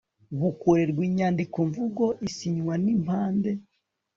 bukorerwa inyandikomvugo isinywa n impande